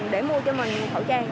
để mua cho mình khẩu trang